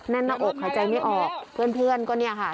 แน่นหน้าอกหายใจไม่ออกเพื่อนก็เนี่ยค่ะ